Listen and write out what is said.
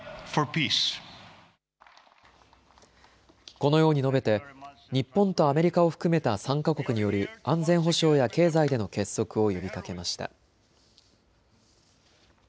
このように述べて日本とアメリカを含めた３か国による安全保障や経済での結束を呼びかけました。